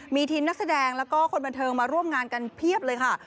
มีทีมนักแสดงแล้วก็คนบันเทิงมาร่วมงานกันเพียบเลยค่ะ